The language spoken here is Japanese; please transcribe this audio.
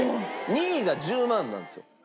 ２位が１０万なんですよ。